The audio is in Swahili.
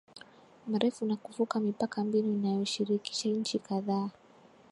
mrefu na kuvuka mipaka mbinu inayoshirikisha nchi kadhaa